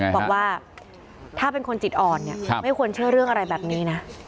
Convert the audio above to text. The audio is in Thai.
บอกว่าถ้าเป็นคนจิตอ่อนเนี่ยไม่ควรเชื่อเรื่องอะไรแบบนี้นะ